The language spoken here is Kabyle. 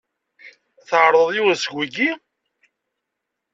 Tɛerḍeḍ yiwen seg wiyi?